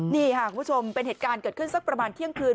นี่ค่ะคุณผู้ชมเป็นเหตุการณ์เกิดขึ้นสักประมาณเที่ยงคืน